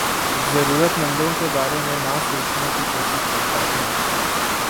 ضرورت مندوں کے بارے میں نہ سوچنے کی کوشش کرتا ہوں